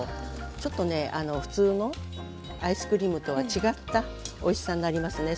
ちょっとね普通のアイスクリームとは違ったおいしさになりますね。